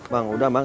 bang udah bang